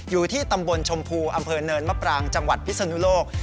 อยู่ที่ตำบลชมพูอำเภอเนินมะปรางจังหวัดพิศนุโลก